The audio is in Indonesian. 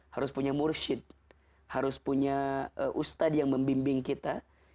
harus punya mursyid harus punya ustad yang membimbing kita